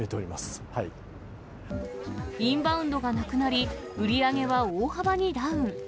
インバウンドがなくなり、売り上げは大幅にダウン。